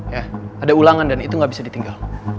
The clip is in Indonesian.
ya ada ulangan dan itu nggak bisa ditinggal